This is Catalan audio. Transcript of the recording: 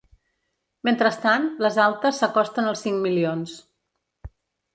Mentrestant, les altes s’acosten als cinc milions.